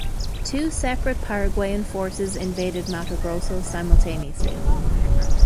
Two separate Paraguayan forces invaded Mato Grosso simultaneously.